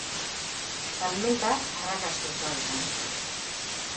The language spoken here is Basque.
Salmenta arrakasta osoa izan zen.